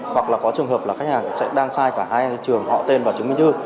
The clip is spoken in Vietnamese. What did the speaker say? hoặc là có trường hợp khách hàng đang sai cả hai trường họ tên và chứng minh thư